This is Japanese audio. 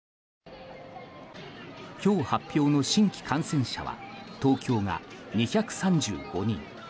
今日発表の新規感染者は東京が２３５人。